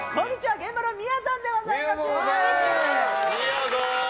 現場のみやぞんでございます！